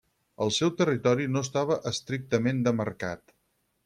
El seu territori no estava estrictament demarcat.